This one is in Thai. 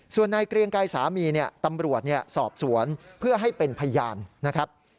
ส่วนนายเกรียงไกรสามีตำรวจสอบสวนเพื่อให้เป็นพยานนะครับ